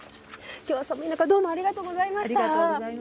今日は寒い中どうもありがとうございました。